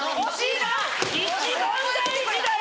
一番大事だよ！